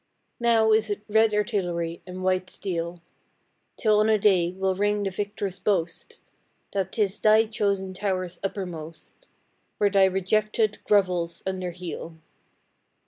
Now is it red artillery and white steel; Till on a day will ring the victor's boast, That 'tis Thy chosen towers uppermost, Where Thy rejected grovels under heel.